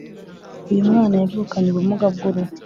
uyumwana yavukanye ubumuga bwuruhu